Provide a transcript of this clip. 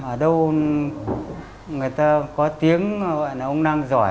ở đâu người ta có tiếng gọi là ông năng giỏi